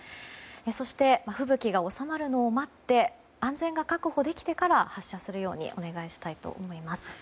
そして、吹雪が収まるのを待って安全が確保できてから発車するようにお願いしたいと思います。